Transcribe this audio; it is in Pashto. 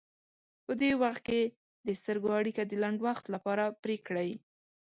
په دې وخت کې د سترګو اړیکه د لنډ وخت لپاره پرې کړئ.